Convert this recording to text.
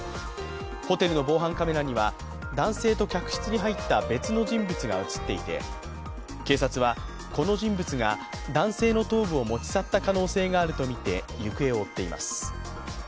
ホテルの防犯カメラには男性と客室に入った別の人物が映っていて警察は、この人物が男性の頭部を持ち去った可能性があるとみて、行方を追っています。